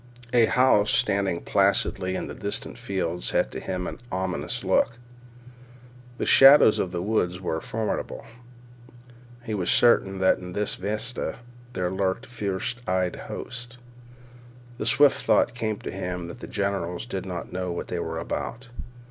A house standing placidly in distant fields had to him an ominous look. The shadows of the woods were formidable. He was certain that in this vista there lurked fierce eyed hosts. The swift thought came to him that the generals did not know what they were about.